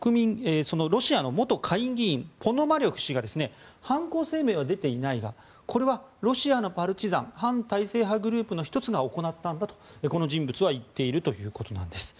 ロシアの元下院議員ポノマリョフ氏が犯行声明は出ていないがこれはロシアのパルチザン反体制派グループの１つが行ったんだとこの人物は言ってるということなんです。